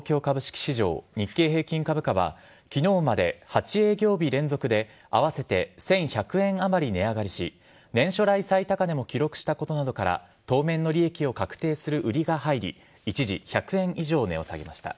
今日の東京株式市場日経平均株価は昨日まで８営業日連続で合わせて１１００円あまり値上がりし年初来最高値も記録したことなどから当面の利益を確定する売りが入り一時１００円以上値を下げました。